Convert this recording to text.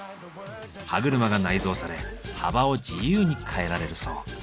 歯車が内蔵され幅を自由に変えられるそう。